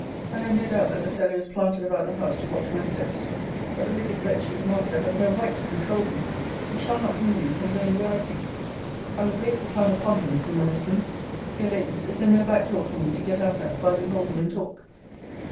I have no doubt that the fellow is planted about the house to watch my steps. But the wicked wretch his master has no right to controul me. He shall not hinder me from going where I please. I will raise the town upon him, if he molests me. Dear Ladies, is there no back door for me to get out at while you hold him in talk?